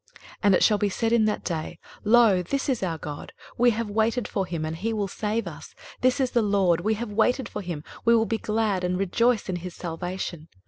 23:025:009 And it shall be said in that day, Lo, this is our God; we have waited for him, and he will save us: this is the LORD; we have waited for him, we will be glad and rejoice in his salvation.